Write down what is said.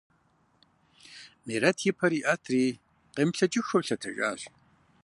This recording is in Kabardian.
Мерэт и пэр иӀэтри къемыплъэкӀыххэу лъэтэжащ.